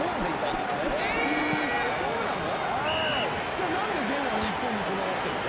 じゃあなんで元は日本にこだわってるの？